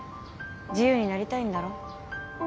自由になりたいんだろ？